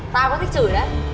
tao có thích chửi đấy